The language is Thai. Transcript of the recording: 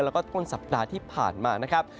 แล้วก็ต้นสัปดาห์ที่ผ่านมานะครับ